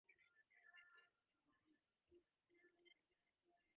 އަބޫބަކުރު ވިދާޅުވި ގޮތުގައި މިހާތަނަށް އަށްސަތޭކަ އަށް ވުރެ ގިނަ ޅެމާއި ލަވަ ވަނީ ހެއްދެވިފަ